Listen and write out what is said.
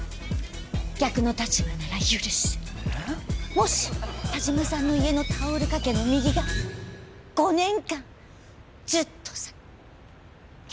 もし田島さんの家のタオル掛けの右が５年間ずっと下がっ。